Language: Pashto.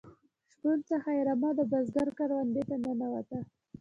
شپون څخه یې رمه د بزگر کروندې ته ننوته.